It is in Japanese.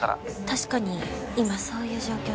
確かに今そういう状況で。